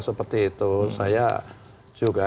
seperti itu saya juga